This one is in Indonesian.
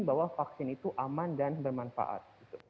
bahwa vaksin itu aman dan bermanfaat